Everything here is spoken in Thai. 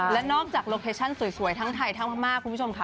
และนอกจากโลเคชั่นสวยทั้งไทยทั้งมากคุณผู้ชมค่ะ